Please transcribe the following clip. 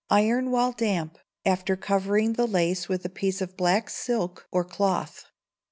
Iron while damp, after covering the lace with a piece of black silk or cloth.